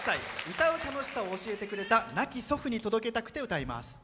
歌う楽しさを教えてくれた亡き祖父に届けたくて歌います。